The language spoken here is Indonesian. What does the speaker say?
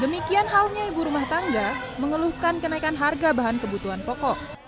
demikian halnya ibu rumah tangga mengeluhkan kenaikan harga bahan kebutuhan pokok